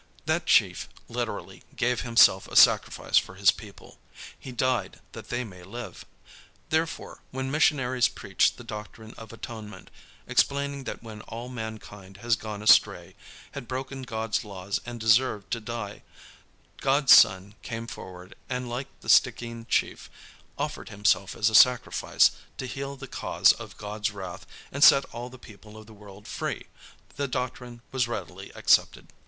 That chief literally gave himself a sacrifice for his people. He died that they might live. Therefore, when missionaries preached the doctrine of atonement, explaining that when all mankind had gone astray, had broken God's laws and deserved to die, God's son came forward, and, like the Stickeen chief, offered himself as a sacrifice to heal the cause of God's wrath and set all the people of the world free, the doctrine was readily accepted.